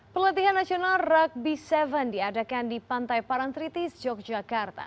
pelatihan nasional rugby tujuh diadakan di pantai parangtritis yogyakarta